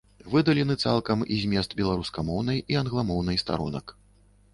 Выдалены цалкам і змест беларускамоўнай і англамоўнай старонак.